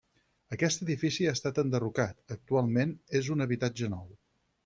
Aquest edifici ha estat enderrocat, actualment és un habitatge nou.